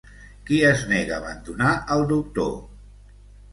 Qui es nega abandonar al Doctor?